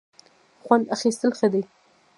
خوند اخیستل ښه دی.